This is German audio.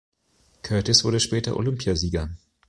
Curtis wurde später Olympiasieger.